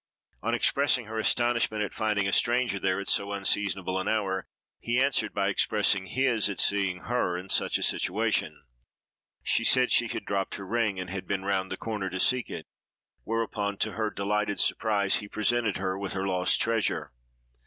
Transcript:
On expressing her astonishment at finding a stranger there at so unseasonable an hour, he answered by expressing his at seeing her in such a situation. She said she had dropped her ring, and had been round the corner to seek it; whereupon, to her delighted surprise, he presented her with her lost treasure.